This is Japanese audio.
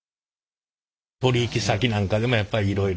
取引先なんかでもやっぱいろいろ？